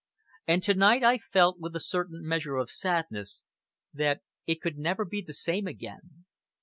And to night I felt, with a certain measure of sadness, that it could never be the same again.